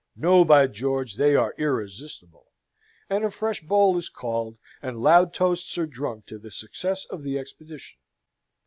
No, by George, they are irresistible." And a fresh bowl is called, and loud toasts are drunk to the success of the expedition.